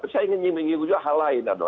saya ingin menyebut juga hal lain